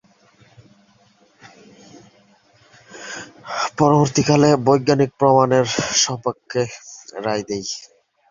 পরবর্তীকালে বৈজ্ঞানিক প্রমাণ এর স্বপক্ষে রায় দেয়।